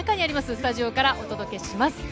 スタジオからお届けします。